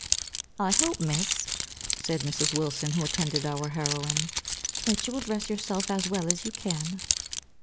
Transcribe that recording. "I hope Miss," said Mrs. Wilson, who attended our heroine, "that you will dress yourself as well as you can."